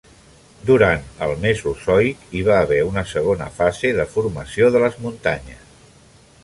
Durant el Mesozoic, hi va haver una segona fase de formació de les muntanyes.